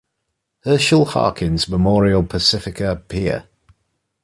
Herschell Harkins Memorial Pacifica Pier.